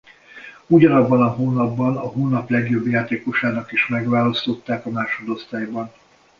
Ugyanabban a hónapban a hónap legjobb játékosának is megválasztották a másodosztályban.